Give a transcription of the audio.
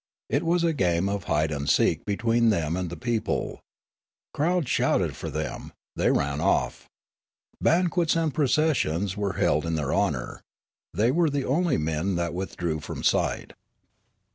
It was a game of hide and seek between them and the 68 The Organisation of Repute 69 people. Crowds shouted for them ; they ran off. Ban quets and processions were held in their honour ; they were the only men that withdrew from sight.